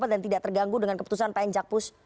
dan tidak terganggu dengan keputusan pak enjak pus